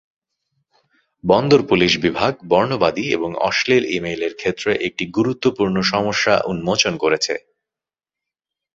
বন্দর পুলিশ বিভাগ বর্ণবাদী এবং অশ্লীল ইমেইলের ক্ষেত্রে একটি গুরুত্বপূর্ণ সমস্যা উন্মোচন করেছে।